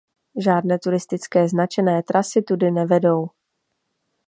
Žádné turistické značené trasy tudy nevedou.